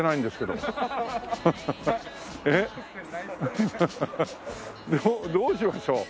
どどうしましょう。